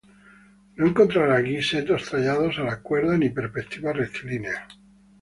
No encontrará aquí setos tallados a la cuerda ni perspectivas rectilíneas.